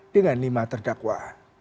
dengan lima terdakwa